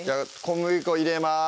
小麦粉入れます